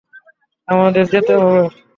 আমাদের যেতে হবে!